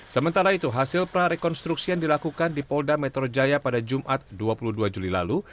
sementara itu hasil prarekonstruksi yang dilakukan di polda metro jaya pada jumat dua puluh dua juli lalu